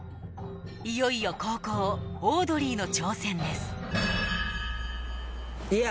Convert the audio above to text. いよいよ後攻オードリーの挑戦ですいや